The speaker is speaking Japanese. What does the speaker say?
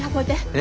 え？